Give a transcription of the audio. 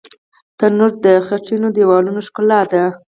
تنور د خټینو دیوالونو ښکلا ده